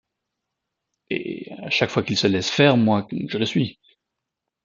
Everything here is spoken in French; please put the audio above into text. Et, à chaque fois qu’il se laisse faire, moi je le suis.